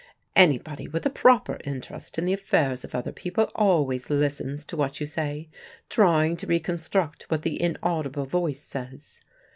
Anybody with a proper interest in the affairs of other people always listens to what you say, trying to reconstruct what the inaudible voice says.